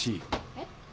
えっ？